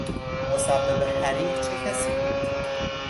مسبب حریق چه کسی بود؟